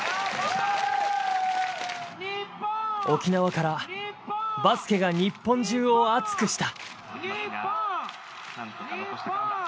沖縄からバスケが日本中を熱くした。